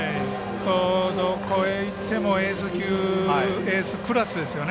どこへいってもエースクラスですよね。